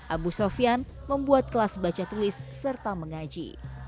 abu sofian membuat kelas baca tulis serta mengaji